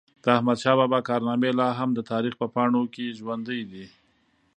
د احمدشاه بابا کارنامي لا هم د تاریخ په پاڼو کي ژوندۍ دي.